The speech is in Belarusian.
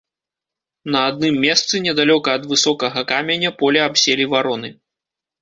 На адным месцы, недалёка ад высокага каменя, поле абселі вароны.